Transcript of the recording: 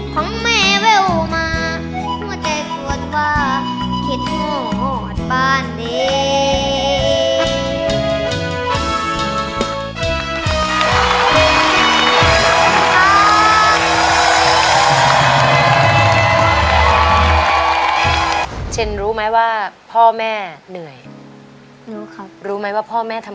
ของแม่เว้ยอุมาหัวใจสวดว่า